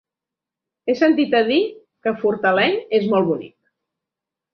He sentit a dir que Fortaleny és molt bonic.